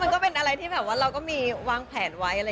มันก็เป็นอะไรที่เราก็มีวางแผนไว้